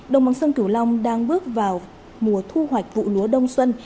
đồng bằng sông cửu long đang bước vào mùa thu hoạch vụ lúa đông xuân